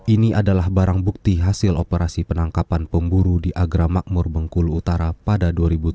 ini adalah barang bukti hasil operasi penangkapan pemburu di agramakmur bengkulu utara pada dua ribu tujuh belas